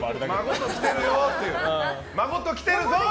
孫と来てるぞー！